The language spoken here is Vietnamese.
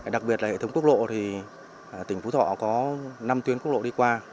đặc biệt là hệ thống quốc lộ thì tỉnh phú thọ có năm tuyến quốc lộ đi qua